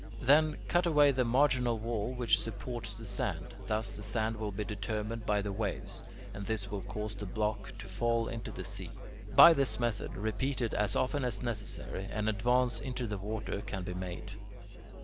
Then, cut away the marginal wall which supports the sand. Thus, the sand will be undermined by the waves, and this will cause the block to fall into the sea. By this method, repeated as often as necessary, an advance into the water can be made.